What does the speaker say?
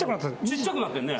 ちっちゃくなってんね。